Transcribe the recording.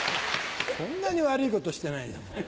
そんなに悪いことしてないよ。